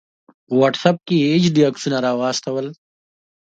په واټس آپ کې یې ایچ ډي عکسونه راواستول